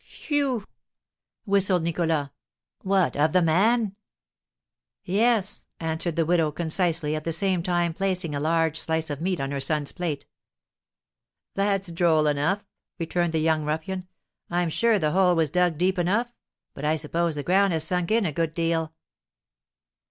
"Phew!" whistled Nicholas; "what, of the man?" "Yes," answered the widow, concisely, at the same time placing a large slice of meat on her son's plate. "That's droll enough," returned the young ruffian; "I'm sure the hole was dug deep enough; but I suppose the ground has sunk in a good deal."